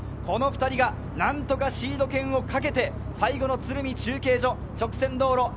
この２人がなんとかシード権をかけて、最後の鶴見中継所直線道路。